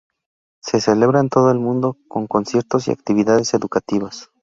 Se celebra en todo el mundo con conciertos y actividades educativas.